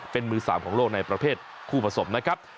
เป็นมือ๓ของโลกในประเภทคู่ผสมนะครับ